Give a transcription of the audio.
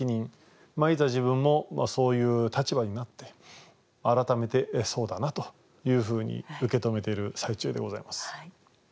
いざ自分もそういう立場になって改めてそうだなというふうに受け止めている最中でございます。